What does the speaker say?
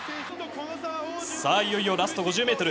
さあ、いよいよラスト５０ｍ。